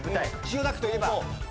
千代田区といえば。